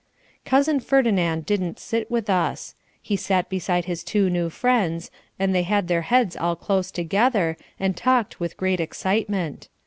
Cousin Ferdinand didn't sit with us. He sat beside his two new friends and they had their heads all close together and talked with great excitement.